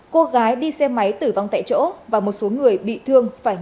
cô gái đi xe máy tử vong tại chỗ và một số người bị thương phải nhường